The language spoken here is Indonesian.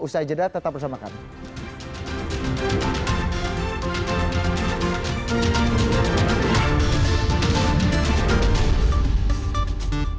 usai jeda tetap bersama kami